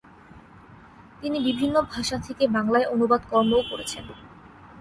তিনি বিভিন্ন ভাষা থেকে বাংলায় অনুবাদকর্মও করেছেন।